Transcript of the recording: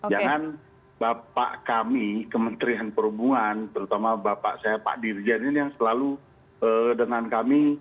jangan bapak kami kementerian perhubungan terutama bapak saya pak dirjen ini yang selalu dengan kami